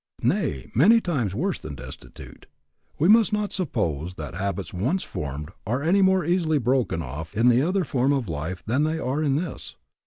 Nay, many times worse than destitute. We must not suppose that habits once formed are any more easily broken off in the other form of life than they are in this.